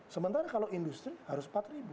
sementara kalau industri harus empat ribu